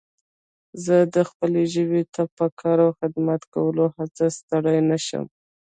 زه به خپلې ژبې ته په کار او خدمت کولو هيڅکله ستړی نه شم